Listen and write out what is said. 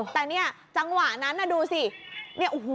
แต่เนี่ยจังหวะนั้นน่ะดูสิเนี่ยโอ้โห